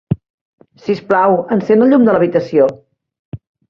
Sisplau, encén el llum de l'habitació.